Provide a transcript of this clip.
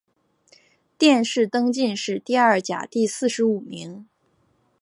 殿试登进士第二甲第四十五名。